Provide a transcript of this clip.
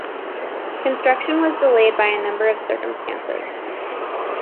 Construction was delayed by a number of circumstances.